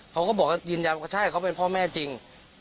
เขาก็บอกว่ายืนยันว่าใช่เขาเป็นพ่อแม่จริง